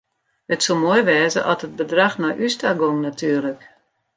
It soe moai wêze at it bedrach nei ús ta gong natuerlik.